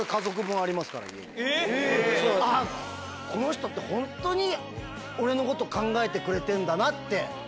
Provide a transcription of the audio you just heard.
あっこの人ホントに俺のこと考えてくれてんだなって思う。